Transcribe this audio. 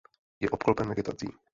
Je obklopen vegetací.